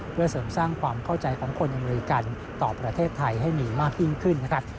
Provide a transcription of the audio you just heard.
เพื่อเสริมสร้างความเข้าใจของคนอเมริกันต่อประเทศไทยให้มีมากยิ่งขึ้นนะครับ